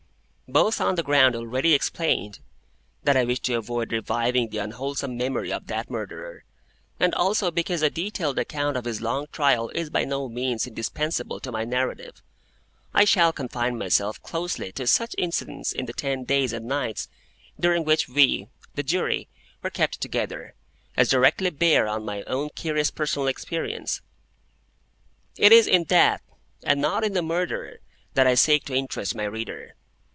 Both on the ground already explained, that I wish to avoid reviving the unwholesome memory of that Murderer, and also because a detailed account of his long trial is by no means indispensable to my narrative, I shall confine myself closely to such incidents in the ten days and nights during which we, the Jury, were kept together, as directly bear on my own curious personal experience. It is in that, and not in the Murderer, that I seek to interest my reader.